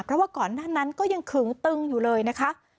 เพราะว่าก่อนหน้านั้นก็ยังขึงตึงอยู่เลยนะคะ